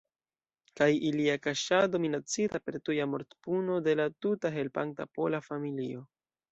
Kaj ilia kaŝado minacita per tuja mortpuno de la tuta helpanta pola familio.